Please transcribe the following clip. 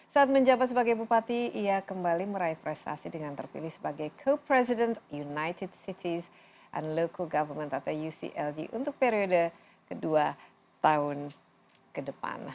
saat menjabat sebagai bupati ia kembali meraih prestasi dengan terpilih sebagai co president united cities and local government atau uclg untuk periode kedua tahun ke depan